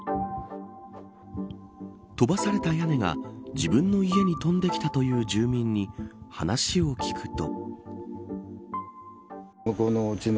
飛ばされた屋根が自分の家に飛んできたという住民に話を聞くと。